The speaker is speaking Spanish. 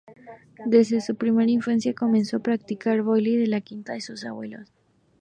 Desde su primera infancia comenzó a practicar volley en la quinta de sus abuelos.